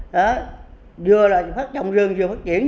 đã vừa là phát trồng rừng vừa phát triển